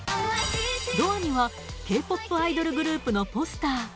ドアにはＫ−ＰＯＰアイドルグループのポスター。